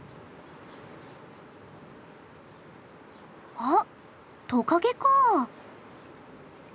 あっトカゲか。